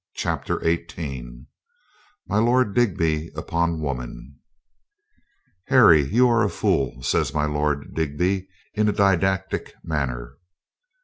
CHAPTER EIGHTEEN MY LORD DIGBY UPON WOMAN "TTARRY, you are a fool," says my Lord Digby ■■' in a didactic manner.